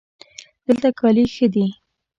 دلته کالي ښه دي